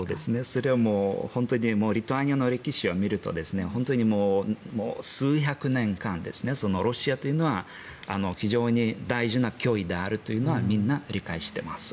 それは本当にリトアニアの歴史を見ると本当に数百年間ロシアというのは非常に大事な脅威であるというのはみんな理解しています。